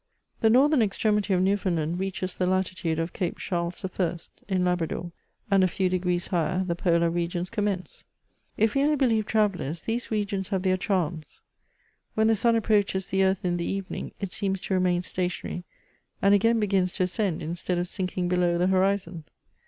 The northern extremity of Newfoundland reaches the latitude of Cape Charles I., in Labrador, and a few degrees higher the Polar regions commence. If we may believe travellers, these regions have their charms : when the sun approaches the earth in the evening, it seems to remain stationary, and again begins to ascend instead of sinking below the horizon.